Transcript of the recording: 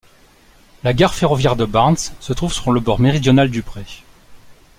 La gare ferroviaire de Barnes se trouve sur le bord méridional du pré.